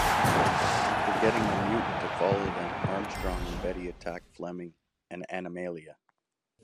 After getting the Mutant to follow them, Armstrong and Betty attack Fleming and Animala.